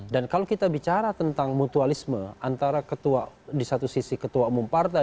dan kalau kita bicara tentang mutualisme antara ketua di satu sisi ketua umum partai